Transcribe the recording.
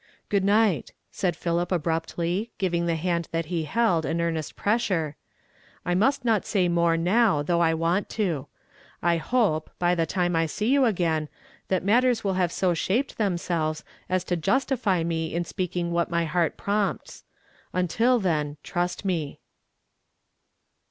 " Good night," said Philip abruptly, giving the hand that he held, an earnest pressure, " I must not say more now, though I want to. I hope, by the time I see you again, that mattei s will have so shaped themselves as to justify me in speaking what my heart prompts. Until then, trust me."